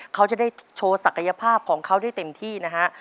เขาจะได้โชว์ศักยภาพของเขาได้เต็มที่นะฮะ